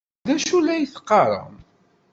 D acu ay la teqqarem?